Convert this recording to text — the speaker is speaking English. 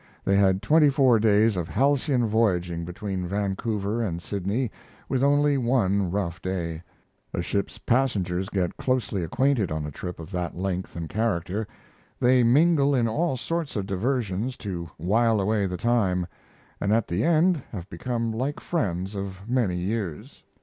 They had twenty four days of halcyon voyaging between Vancouver and Sydney with only one rough day. A ship's passengers get closely acquainted on a trip of that length and character. They mingle in all sorts of diversions to while away the time; and at the end have become like friends of many years.